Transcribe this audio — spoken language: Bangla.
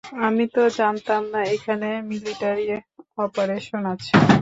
আমি তো জানতাম না এখানে মিলিটারি অপারেশন আছে।